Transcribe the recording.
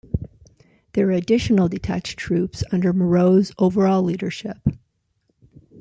There were additional detached troops under Moreau's overall leadership.